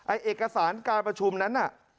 ไอ้เอกสารการประชุมนั้น